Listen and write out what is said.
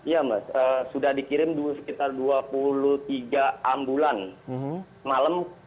ya mbak sudah dikirim sekitar dua puluh tiga ambulan malam